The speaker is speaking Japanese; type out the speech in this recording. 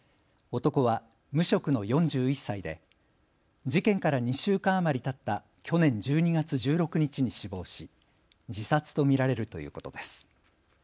男は無職の４１歳で事件から２週間余りたった去年１２月１６日に死亡し自殺と見られるということです。